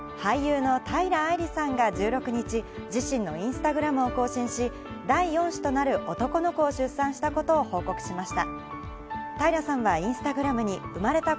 俳優の平愛梨さんが１６日、自身のインスタグラムを更新し、第４子となる男の子を出産したことを報告しました。